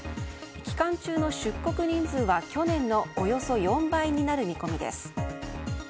期間中の出国人数は去年のおよそ４倍になる見込みです。